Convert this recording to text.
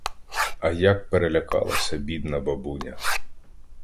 А як перелякалася бідна бабуня!